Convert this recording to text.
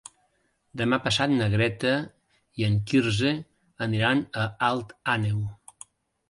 Demà passat na Greta i en Quirze iran a Alt Àneu.